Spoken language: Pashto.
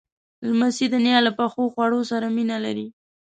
لمسی د نیا له پخو خواړو سره مینه لري.